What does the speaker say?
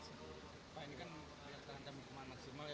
pak ini kan alat tahanan hukuman maksimal ya